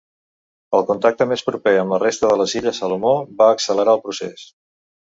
El contacte més proper amb la resta de les Illes Salomó va accelerar el procés.